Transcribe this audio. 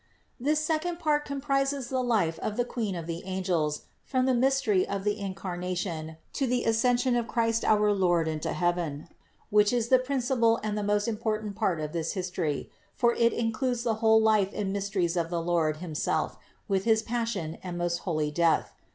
32. This second part comprises the life of the Queen of the angels from the mystery of the Incarnation to the Ascension of Christ our Lord into heaven, which is the principal and the most important part of this history, for it includes the whole life and mysteries of the Lord himself with his Passion and most holy Death.